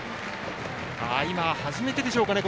今、初めてでしょうかね